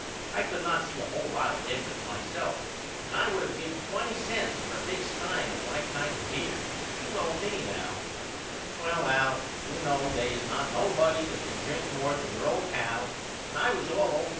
I could not see a hole lot of difference myself and I would of gave $0.20 for a big stine of my kind of beer. You know me Al. Well Al you know they is not nobody that can drink more than your old pal and I was all O.K.